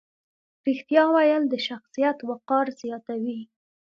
رښتیا ویل د شخصیت وقار زیاتوي.